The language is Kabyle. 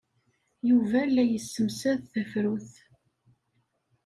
Yuba la yessemsad tafrut.